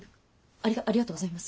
ありありがとうございます。